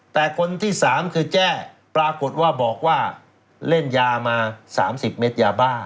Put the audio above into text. แต่คนที่๓คือแจ้ปรากฏว่าบอกว่าเล่นยามา๓๐เม็ดยาบ้า